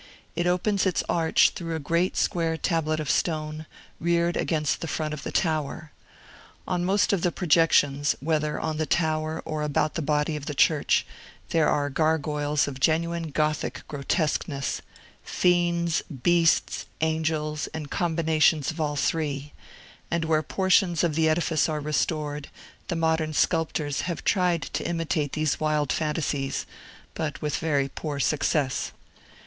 It opens its arch through a great square tablet of stone, reared against the front of the tower. On most of the projections, whether on the tower or about the body of the church, there are gargoyles of genuine Gothic grotesqueness, fiends, beasts, angels, and combinations of all three; and where portions of the edifice are restored, the modern sculptors have tried to imitate these wild fantasies, but with very poor success.